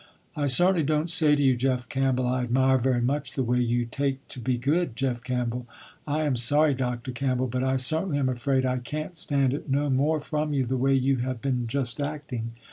I certainly don't say to you Jeff Campbell I admire very much the way you take to be good Jeff Campbell. I am sorry Dr. Campbell, but I certainly am afraid I can't stand it no more from you the way you have been just acting.